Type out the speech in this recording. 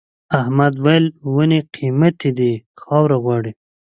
احمد وويل: ونې قيمتي دي خاوره غواړي.